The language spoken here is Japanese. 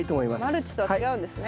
マルチとは違うんですね。